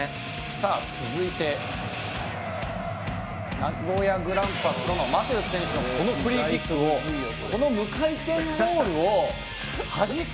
さあ続いて名古屋グランパスとのマテウス選手のこのフリーキックをこの無回転ボールを弾く。